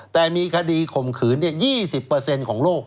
แต่มีคดีข่มขืน๒๐ของโลก